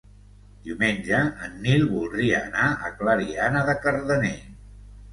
Diumenge en Nil voldria anar a Clariana de Cardener.